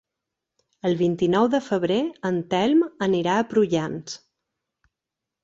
El vint-i-nou de febrer en Telm anirà a Prullans.